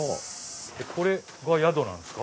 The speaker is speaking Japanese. これが宿なんですか？